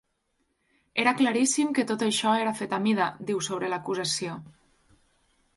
Era claríssim que tot això era fet a mida, diu sobre l’acusació.